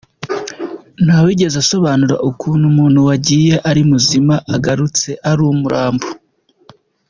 Ntawigeze asobanura ukuntu umuntu wagiye ari muzima agarutse ari umurambo.